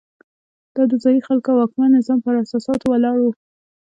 دا د ځايي خلکو او واکمن نظام پر اساساتو ولاړ وو.